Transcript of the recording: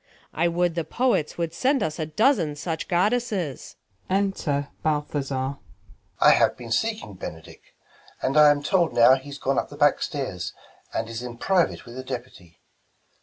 I would the poets Avould send us a dozen Such goddesses. Enter Balthazar. Bal. I have been seeking Benedick : and I Am told now he's gone up the back stairs, And is in private with the deputy.